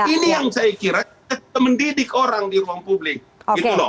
ini yang saya kira kita mendidik orang di ruang publik gitu loh